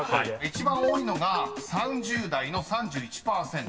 ［一番多いのが３０代の３１％］